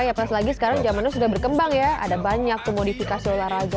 ya pas lagi sekarang zaman itu sudah berkembang ya ada banyak pemodifikasi olahraga